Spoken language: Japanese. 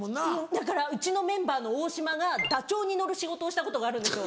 だからうちのメンバーの大島がダチョウに乗る仕事をしたことがあるんですよ。